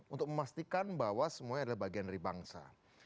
untuk memastikan bahwa semuanya adalah bagian dari bangsa